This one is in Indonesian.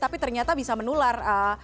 tapi ternyata bisa menular